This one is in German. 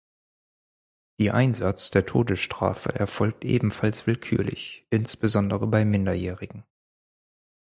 Die Einsatz der Todesstrafe erfolgt ebenfalls willkürlich, insbesondere bei Minderjährigen.